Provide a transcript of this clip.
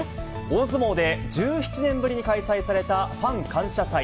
大相撲で１７年ぶりに開催されたファン感謝祭。